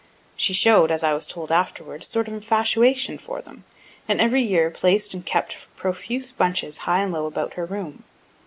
She show'd, as I was told afterward, a sort of infatuation for them, and every year placed and kept profuse bunches high and low about her room.